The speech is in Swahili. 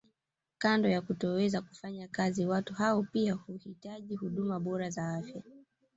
Kando ya kutoweza kufanya kazi watu hao pia huhitaji huduma bora za afya